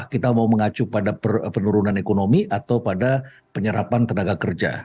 kita mau mengacu pada penurunan ekonomi atau pada penyerapan tenaga kerja